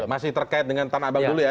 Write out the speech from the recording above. masih terkait dengan tanah abang dulu ya